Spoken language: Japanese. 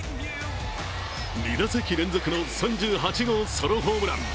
２打席連続の３８号ソロホームラン。